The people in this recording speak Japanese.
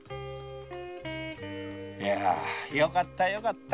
あよかったよかった。